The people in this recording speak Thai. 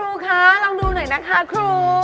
ครูคะลองดูหน่อยนะคะครู